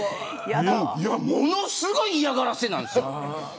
ものすごい嫌がらせなんですよ。